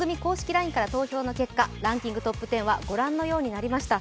ＬＩＮＥから発表の結果、ランキングトップ１０はご覧のようになりました。